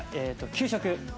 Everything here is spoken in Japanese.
「給食」？